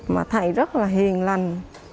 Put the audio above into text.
mà thầy rất là hiền lành